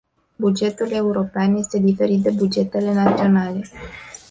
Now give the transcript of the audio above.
Bugetul european este diferit de bugetele naționale.